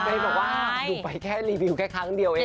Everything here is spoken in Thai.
บอกว่าหนูไปแค่รีวิวแค่ครั้งเดียวเอง